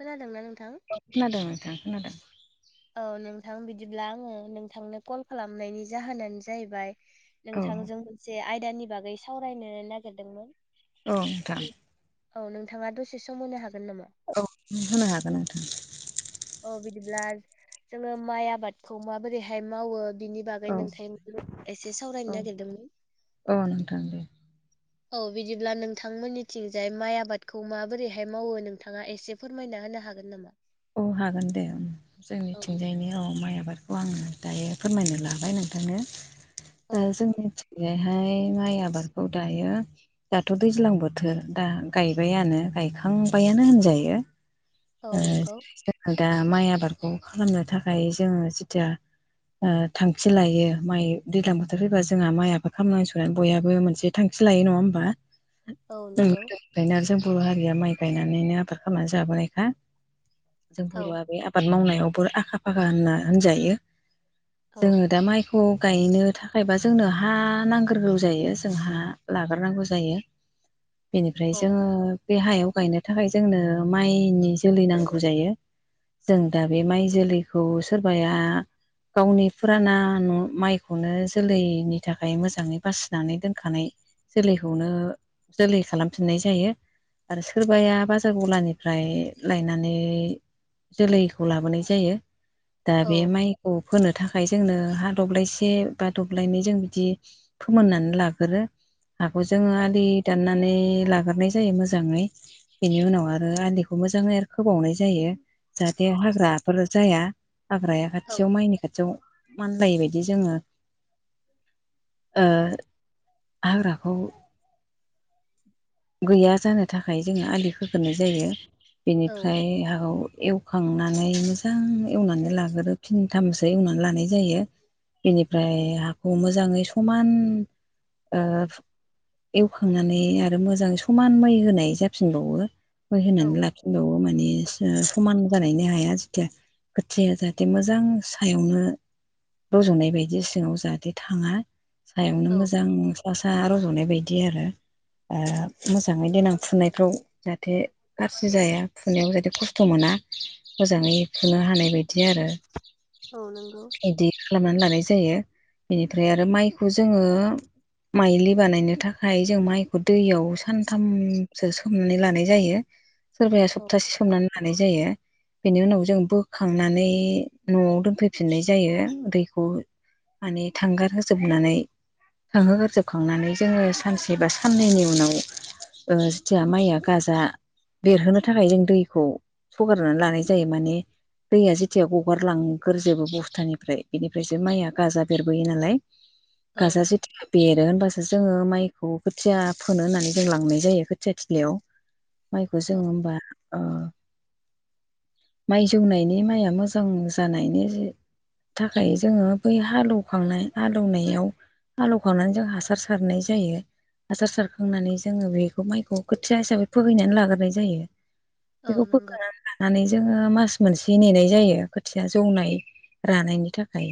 खोनादोंना नोंथां खोनादों नोंथां खोनादों औ नोंथां बिदिब्ला आङो नोंथांनो कल खालामनायनि जाहोनानो जाहैबाय औ नोंथांजों मोनसे आयदानि बागै सावरायनो नागिरदोंमोन औ नोंथां। औ नोंथाङा दसे सम होनो हागोन नामा? औ होनो हागोन नोंथां। अ बिदिब्ला जोङो माइ आबादखौ माबोरैहाय मावो बिनि बागै औ नोंथांनिसिम एसे सावरायनो औ नागिरदोंमोन? औ नोंथां दे औ बिदिब्ला नोंथांमोननिथिंजाय माइ आबादखौ माबोरैहाय मावो नोंथाङा एसे फोरमायना होनो हागोन नामा? औ हागोन दे औ जोंनिथिंजायनि औ माइ आबादखौ आं दायो फोरमायनो लाबाय नोंथांनो औ ओ जोंनिथिं हाय माइ आबादखौ दायो दाथ' दैज्लां बोथोर दा गायबायानो गायखांबायानो होनजायो औ ओ नंगौ जोंयो दा माइ आबादखौ खालामनो थाखाय जोङो जिथु ओ थांखि लायो माइ दैल्लां बोथोर फैबा जोंहा माइ आबाद खालामनांसिगौ बयाबो मोनसे थांखि लायो नङा होमबा। औ ओ नंगौ जों बर' हारिया माइ गायनानैनो आबाद खालामनानै जाबाय ना जों औ बर'आ बे आबाद मावनायावबो आखा फाखा होनना होनजायो औ जोङो दा माइखौ। गायनो थाखायबा जोंनो हा नांग्रोगौ जायो जोंहा लाग्रोनांगौ जायो। [unintelligible] बेनिफ्राय जोङो बे हायाव गायनो थाखाय जोंनो माइनि जोलै नांगौ जायो। जों दा बे माइ जोलैखौ सोरबाया गावनि फुराना माइखौनो जोलैनि थाखाय मोजाङै बासिनानै दोनखानाय जोलैखौनो जोलै खालामफिननाय जायो। आरो सोरबाया बाजार गलानिफ्राय लायना नानै जोलैखौ लाबोनाय जायो। दा बे औ माइ औ फोनो थाखाय जोंनो हा दब्लायसे बा दब्लायनै जों बिदि फोमोननानै लागोरो हाखौ जोङो औ आलि दाननानै लाग्रोनाय जायो मोजाङै बिनि उनाव आरो आलिखौ मोजाङै फोबावनाय जायो। जाहाथे हाग्राफोर जाया हाग्राया औ खाथियाव माइनि खाथियाव मानलायिबायदि जोङो ओ हाग्राखौ गैया जानो थाखाय जोङो आलि खोग्रोनाय जायो। औ बेनिफ्राय हागाव एव एवखांनानै मोजां एवनानै लाग्रो फिनथामसो एवनानै लानाय जायो। बेनिफ्राय हाखौ मोजाङै समान ओ एवखांनानै आरो मोजां समान मै होनाय जाफिनबावो मै औ होनानै लाफि फनबावो माने समान जानायना हाया जेथिया खोथियाया जाहाथे मोजां सायावनो रज'नाय बायदि सिङाव जाहाथे थाङा। सायावनो औ मोजां सा सा रज'नाय बायदि आरो। ओ मोजाङै देनां फुनायफ्राव जाहाथे गाज्रि जाया फुनायाव जाहाथे खस्थ' मोना मोजाङै फुनो हानाय बायदि आरो। औ नंगौ। इदि खालामनानै लानाय जायो। बेनिफ्राय आरो माइखौ जोङो माइलि बानायनो थाखाय जों माइखौ दैयाव सानथामसो सोमनानै लानाय जायो सोरबाया औ सप्तासे सोमनानै लानाय जायो। बेनि उनाव जों बोखांनानै न'आव दोनफैफिननाय जायो दैखौ माने थांगार होजोबनानै थांहोग्रोजोबखांनानै जोङो सानसे बा साननैनि उनाव ओ जिथुया माइया गाजा बेरहोनो थाखाय जों दैखौ हगारनानै लानाय जायो माने दैया जेथिया गगारलांग्रोजोबो बस्थानिफ्राय बेनिफ्रायसो माइआ गाजा बेरबोयो नालाय [unintelligible] गाजा जेथिया बेरो होनबासो जोङो माइखौ खोथिया फोनो होननानै जों लांनाय जायो खोथिया थिलायाव माइखौ जों औ ओ माइ जौनायनि माइया मोजां जानायनि थाखाय जोङो बै हालेवखांनाय हालौनायाव हालौखावनानै जों हासार सारनाय जायो हासार सारखांनानै जोङो बेखौ माइखौ खोथिया हिसाबै फोखैनानै लाग्राय जायो औ बेखौ नंगौ फोखोनानै लानानै जोङो मास मोनसे नेनाय जायो खोथिया जौनाय रानायनि थाखाय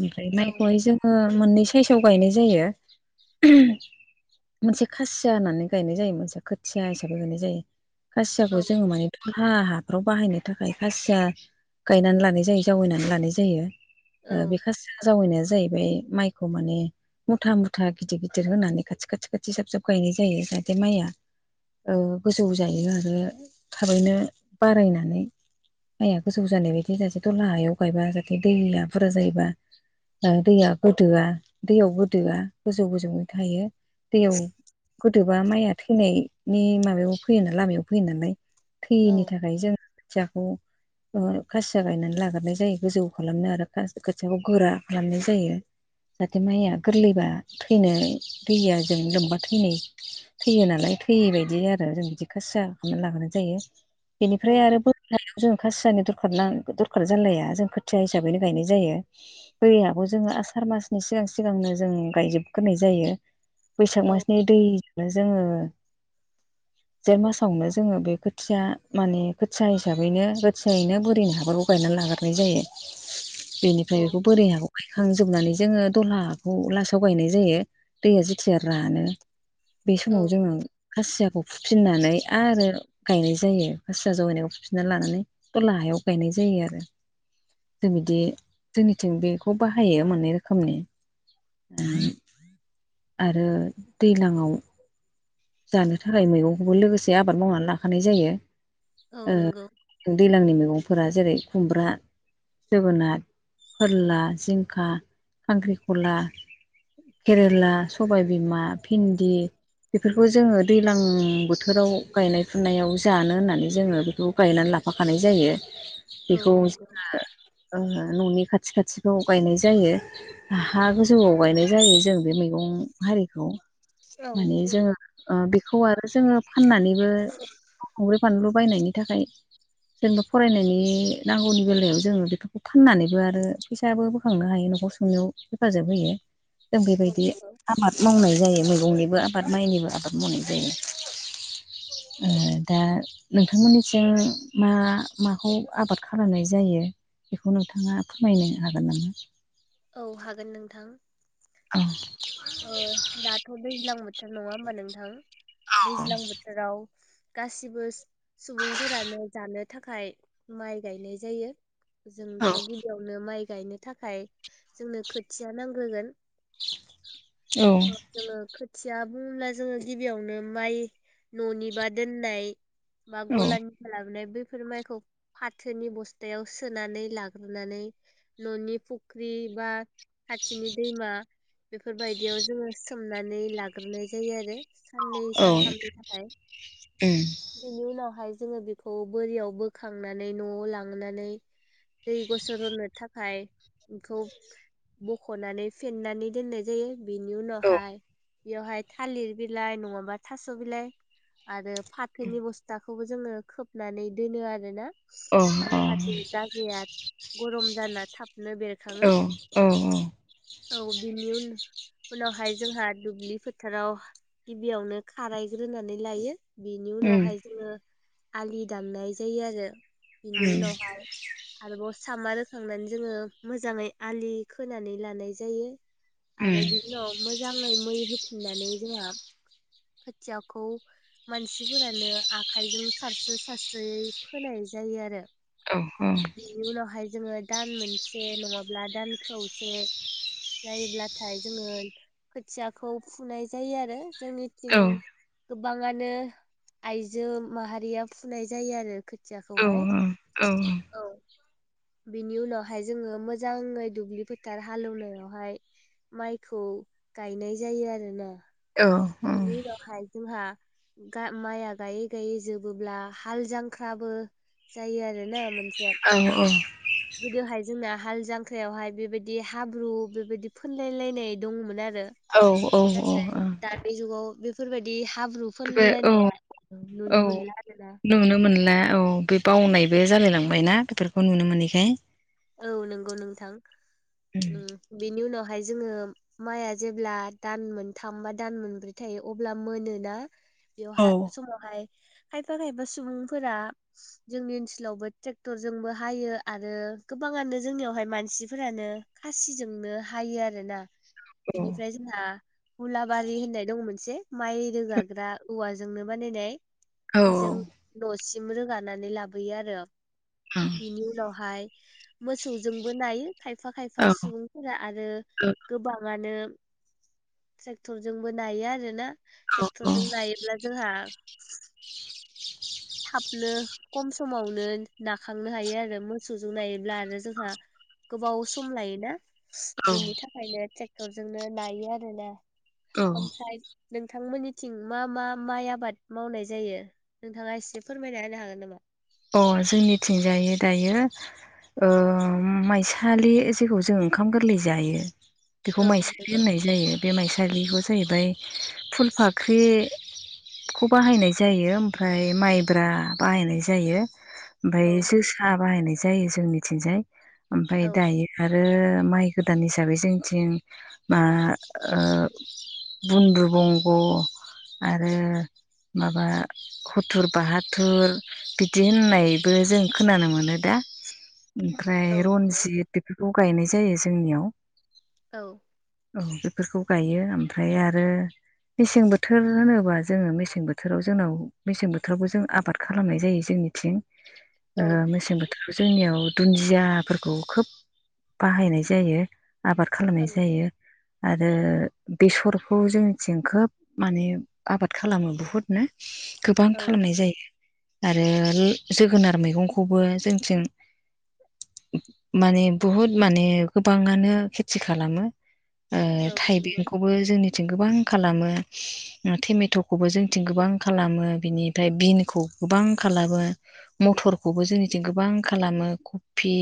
ओमफ्राय औ मायखौहाय जों मोननै साइसआव गायनाय जायो मोनसे खासि खुसिया होननानै गायनाय जायो मोनसे खोथिया हिसाबै गायनाय जायो औ खासियाखौ जोङो माने हाफ्राव बाहायनो थाखाय खासिया गायनानै लानाय जायो जावैनानै लानाय जायो। औ ओ बेखो जावैनाया जाहैबाय माइखौ माने मुथा मुथा गिदिर गिदिर होनानै खाथि खाथि खाथि जाबजाब उगायनाय जायो जाहाथे माइया गोजौ जायो आरो थाबैनो बारायनानै माइया गोजौ जानाय बायदि जाहाथे द'ला हायाव गायबा जाहाथे दैया बुरजा जायोबा दैया गोदोआ दैयाव गोदोआ गोजौ गोजौै थायो दैयाव गोदोबा माइया थैनायनि माबायाव फैयोना लामायाव फैयो नालाय थैयिनि औ थाखाय जोङो खोथियाखौ खासिया गायनानै लाग्रनाय जायो गोजौ खालामनो आरो खोथियाखौ गोरा खालामनाय जायो जाहाथे माइया गोरलैबा थैनो दैया जोबजोबबा थैनाय थैयो नालाय थैयै बायदि आरो जों बिदि खासिया खालामनानै लाग्रोनाय जायो बेनिफ्राय औ आरो खौ जों खासियानो दरखार ना दरखार जालाया जों खोथिया हिसाबैनो गायनाय जायो। दैयाबो जोङो आसार मासनि सिगां सिगांनो जों गायजोबग्रोनाय जायो बैसाग मास बे दैजोंनो जोङो जेठ मासावनो जोङो बे खोथिया माने खोथिया हिसाबैनो खोथियायैनो बोरैनो हागरबावो गगायनानै लागारनाय जायो औ बेनिफ्राय बेखौ बोरै हागौगाय खांजोबनानै जोङो दलहाखौ लासआव गायनाय जायो दैया जेथिया रानो बे समाव औ जोङो खासियाखौ फुफिननानै आरो गायनाय जायो खासिया जगायनायखौ फुफिन्ना लानानै ला हायाव गायनाय जायो आरो जों बिदि जोंनिथिं बेखौ बाहायो मोननै रोखोमनि आरो दै्लांव जानो थाखाय मैगंखौबो लोगोसे आबाद मावनानै लाखानाय जायो। औ नंगौ। दैज्लांनि मैगंफोरा जेरै खुमब्रा जोगोनार फोरला जिंखा खांख्रिख'ला केरेला सबायबिमा भिन्दि बेफोरखौ जोङो दैज्लां बोथोराव गायनाय फुनायाव जानो होननानै जोङो बेखौ गायनानै लाफाखानाय जायो औ बेखौ नंगौ जोङो न'नि खाथि खाथिखौ गायनाय जायो। हा गोजौआव गायनाय जायो जों बे मैगं हारिखौ औ माने जोङो बेखौ आरो जोङो फाननानैबो खंब्र्रि बानलु बायनायनि थाखाय जेनेबा फरायनायनि नांगौनि बेलायाव जोङो बेफोरखौ फाननानैबो आरो फैसाबो बोखांनो हायो न'खर खंनायाव हेफाजाब होयो। [inaudible] जों बेबायदि नंगौ आबाद मावनाय जायो। मैगंनिबो आबाद माइनिबो आबाद मावनाय जायो। ओ दा। नोंथांमोननिजों मा माखौ आबाद खालामनाय जायो? बेखौ नोंथाङा फोरमायनो हागोन नामा? औ हागोन नोंथां। औ। दाथ' दैज्लां बोथोर नङा होमबा नोंथां दैज्लां बोथोराव गासिबो सुबुंफोरानो जानो थाखाय माइ गायनाय जायो। जोंथ' गिबियावनो माइ गायनो थाखाय जोंनो खोथिया नांग्रोगोन जोङो खोथिया बुङोब्ला जोङो गिबियावनो माइ न'निबा दोननाय [unintelligible] गलानि लाबोनाय बैफोर माइखौ फाथोनि बस्थायाव सोनानै लाग्रोनानै न'नि फुख्रि बा खाथिनि दैमा बेफोरबायदियाव जोङो सोमनानै लाग्रोनाय जायो आरो। साननै औ सानथामनि थाखाय उम बेनि उनावहाय जोङो बेखौ बोरियाव बोखांनानै न'आव लांनानै दै गसर रनो थाखाय बेखौ मख'नानै फेन्नानै दोननाय जायो। बेनि उनावहाय बेयावहाय थालिर बिलाइ, नङाबा थास' बिलाइ, आरो फाथोनि बस्थाखौबो जोङो खोबनानै दोनो आरोना औ जाहाथे जया गरम जानला थाबनो औ बेरखाङो। औ उम औ बिनि उनाव उनावहाय जोंहा दुब्लि फोथाराव गिबियावनो खारायग्रोनानै लायो। बिनि उनावहाय जोङो आलि दाननाय जायो आरो। बेनि उम उनावहाय आरोबाव सामा रोखांनानै जोङो मोजाङै आलि खोनानै लानाय जायो। आरो उम बिनि उनाव मोजाङै मै होफिननानै जोंहा खोथियाखौ मानसिफोरानो आखायजों सारसो सारस्रियै फोनाय जायो आरो। औ बेनोहाय जों। दान मोनसे नङाब्ला दान खौसे जायोब्लाथाय जोङो खोथियाखौ फुनाय जायो आरो। जोंनिथिं औ गोबांआङानो आइजो माहारिया फुनाय जायो आरो। औ खोथियाखौहाय। औ औ, बिनि उनावहाय जोङो मोजाङै दुब्लि फोथार हालेवनायावहाय माइखौ गायनाय जायो आरोना। बेनि उनावहाय जोंहा माइया गायै गायै जोबोब्ला हाल जांख्राबो जायो आरो ना मोनसे औ औ गोदोहाय जोंना हाल जांख्रायावहाय बेबायदि हाब्रु बेबायदि फुनलाय लायनाय दङमोन आरो औ नाथाय औ दानि जुगाव बेफोरबायदि हाब्रु बे औ फोनलायनाया औ नुनो मोनला आरोना नुनो मोनला औ बे बावनायबो जालायलांबायनाा बेफोरखौ नुनो मोनैखाय। औ नंगौ नोंथां बेनि उनावहाय जोङो। माइआ जेब्ला दान मोनथाम बा दान मोनब्रै थायो अब्ला मोनोना। औ बेयावहाय समावहाय खायफा खायफा सुबुंफोरा जोंनि ओनसोलावबो ट्रेक्टरजोंबो हायो आरो गोबाङानो जोंनियावहाय मानसिफोरानो खासिजोंनो हायो आरोना औ बिनिफ्राय ना हुलाबारि होननाय दङ मोनसे माइ रोगाग्रा औवाजोंनो बानायनाय औ बेजों न'सिम रोगानानै लाबोयो आरो बिनि उनावहाय मोसौजोंबो नायो खायफा खायफा औ सुबुंफोरा आरो गोबाङानो ट्रेक्टरजोंबो नायो आरो ना ट्रेक्टरजों नायोब्ला जोंहा थाबनो खम समावनो नाखांनो हायो आरो मोसौजों नायोब्ला आरो जोंहा गोबाव सम लायोना अ बिनि थाखायनो ट्रेक्टरजोंनो नायो आरो ना ओमफ्राय नोंथांमोननिथिं मा मा माइ आबाद मावनाय जायो नोंथाङा एस से फोरमायना होनो हागोन नामा अ जोंनिथिंजायो दायो ओ माइसालि जेखौ जों ओंखाम गोरलै जायो बेखौ औ माइसालि नंगौ होननाय जायो बे माइसालिखौ जाहैबाय फुलफाख्रि खौ बाहायनाय जायो ओमफ्राय माइब्रा बाहायनाय जायो जायो औ ओमफ्राय जोसा बाहायनाय जायो जों मिथिंजाय ओमफ्राय औ दायो आरो माइ गोदान हिसाबै जोंथिं मा ओ बुनदु बंग' आरो माबा हथुर बाहाथुर बिदि होननायबो जों खोनानो मोनो दा ओमफ्राय औ नंगौ रनजित बेफोरखौ गायनाय जायो जोंनियाव औ औ बेफोरखौ गायो ओमफ्राय आरो मेसें बोथोर होनोबा जोङो मेसें बोथोराव जोंनाव मेसें बोथोरावबो जों आबाद खालामनाय जायो जोंनिथिं ओ औ मेसें बो थोराव जोंनियाव दुन्दियाफोरखौ खोब बाहायनाय जायो आबाद खालामनाय औ जायो आरो बेसरखौ जोंनिथिं खोब माने आबाद खालामो बुहुद नो गोबां औ खालामनाय नंगौ जायो आरो जोगोनार मैगंखौबो जोंथिं माने बहुद माने गोबाङानो खेथि खालामो ओ औ नंगौ थाइबेंखौबो जोंनिथिं गोबां खालामो टमेट'खौबो जोंथिं गोबां खालामो बिनिफ्राय बिनखौ गोबां खालामो मथरखौबो जोंनिथिं गोबां खालामो कफि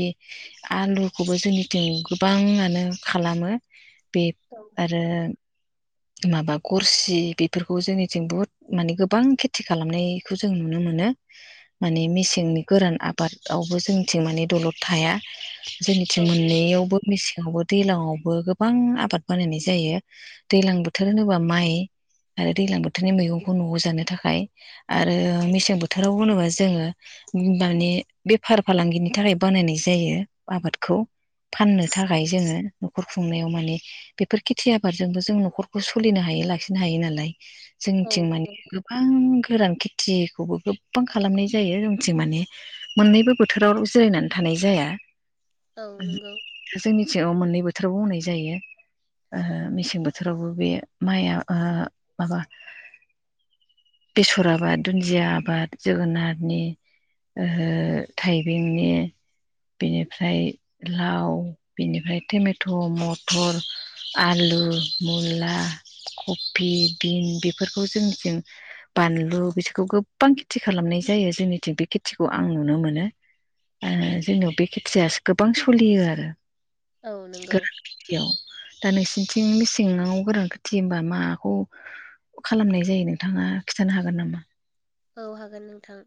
आलुखौबो जोंनिथिं गोबाङानो खालामो बे औ आरो माबा गरसि बेफोरखौ जोंनिथिं बुहुद माने गोबां खेथि खालामनायखौ जों नुनो मोनो माने मेसेंनि गोरान आबादावबो जोंथिं माने दलद थाया जोंनिथिं औ नंगौ मोननैयावबो मेसेङावबो दैलांआवबो गोबां आबाद बानायनाय जायो दैलां बोथोर होनोबा माइ आरो दैलां बोथोरनि मैगंखौ न'आव जानो थाखाय आरो औ मेसें बोथोराव होनोबा जोङो माने बेफार फालांगिनि थाखाय बानायनाय जायो आबादखौ। फाननो थाखाय जोङो न'खर खुंनायाव माने बेफोर खेथि आबादजोंबो। जों न'खरखौ सोलिनो हायो लाखिनो हायो नालाय औ जोंनिथिं माने नंगौ गोबां गोरान खेथिखौबो गोबां खालामनाय जायो जोंथिं माने मोननैबो बोथोराव जिरायनानै थानाय जाया औ नंगौ जोंनिथिङाव मोननै बोथोरावबो बुंनाय जायो ओ मेसें बोथोर बोथोरावबो बे माइआ ओ माबा बेसर आबाद दुन्दिया आबाद जोगोनारनि ओ थाइबेंनि बेनिफ्राय लाव बेनिफ्राय टमेट' मटर आलु मुला कफि बिन बेफोरखौ जोंजों बानलु बिसोरखौ गोबां खेथि खालामनाय जायो जोंनिथिं बे खेथिखौ आं नुनो मोनो। आरो जोंनियाव बे खेथियाो गोबां सोलियो आरो। औ नंगौ दा नोंसिनिथिंनि नोंनाव गोरोनथि होमबा माखौ खालामनाय जायो नोंथाङा खिन्थानो हागोन नामा? औ हागोन नोंथां।